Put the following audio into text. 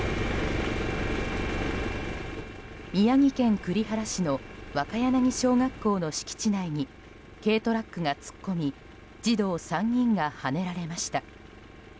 宮城県栗原市の若柳小学校の敷地内に軽トラックが突っ込み児童３人がはねられました。